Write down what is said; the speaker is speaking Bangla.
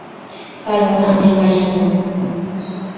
কারন আমি ভাসি না।